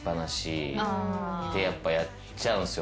やっぱやっちゃうんすよ